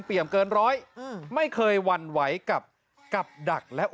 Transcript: พลิกเป็นอะไรนะไฟแรงขนาดไหน